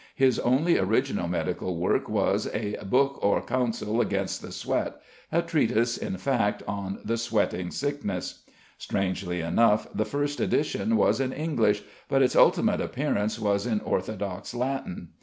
His only original medical work was a "Boke or Counsel against the Sweat" a treatise, in fact, on the sweating sickness. Strangely enough, the first edition was in English, but its ultimate appearance was in orthodox Latin.